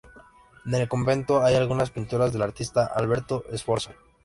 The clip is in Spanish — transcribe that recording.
En el convento hay algunas pinturas del artista Alberto Sforza.